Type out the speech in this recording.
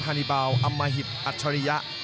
ฮานิบาลอัมมหิตอัชริยะ